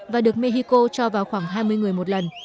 và được mexico cho vào khoảng hai mươi người một lần